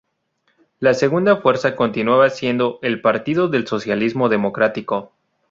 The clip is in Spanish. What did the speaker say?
La segunda fuerza continuaba siendo el Partido del Socialismo Democrático.